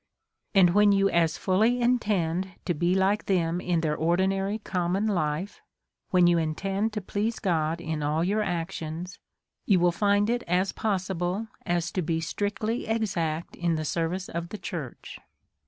And when you as fully intend to be like them in their ordinary common life, when you intend to please God in all your actions, you will find it as possible as to be strictly exact in the ser vice of the church.